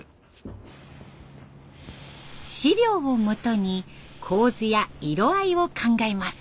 資料をもとに構図や色合いを考えます。